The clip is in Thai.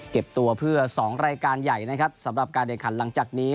เก็บตัวเพื่อ๒รายการใหญ่นะครับสำหรับการแข่งขันหลังจากนี้